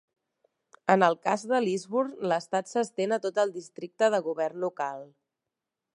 En el cas de Lisburn, l'estat s'estén a tot el districte de govern local.